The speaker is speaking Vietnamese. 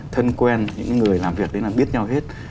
thân quen những người làm việc đấy là biết nhau hết